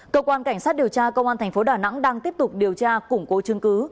cơ quan cảnh sát điều tra công an thành phố đà nẵng đang tiếp tục điều tra củng cố chứng cứ